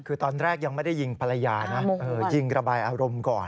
คือตอนแรกยังไม่ได้ยิงภรรยานะยิงระบายอารมณ์ก่อน